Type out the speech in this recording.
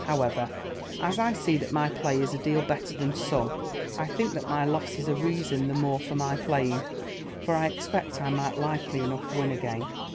However, as I see that my play is a deal better than some, I think that my loss is a reason the more for my playing, for I expect I might likely enough win again."